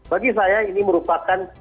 bagi saya ini merupakan